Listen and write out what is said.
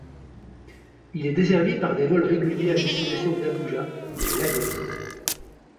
Il est desservi par des vols réguliers à destination d'Abuja et Lagos.